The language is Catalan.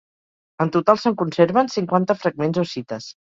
En total, se'n conserven cinquanta fragments o cites.